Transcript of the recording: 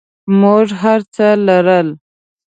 موږ هرڅه لرل.